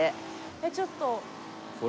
えっちょっと。